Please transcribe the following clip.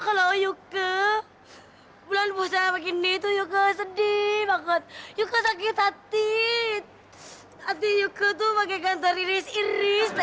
kalau yuk bulan puasa begini tuh yuk sedih banget yuk sakit hati hati yuk tuh makanya kantor iris iris